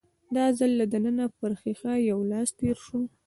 دا ځل له دننه پر ښيښه يو لاس تېر شو.